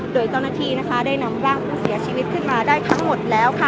โดยเจ้าหน้าที่ได้นำร่างผู้เสียชีวิตขึ้นมาได้ทั้งหมดแล้วค่ะ